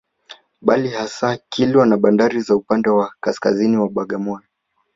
Bali hasa Kilwa na bandari za upande wa kaskaziini wa Bagamoyo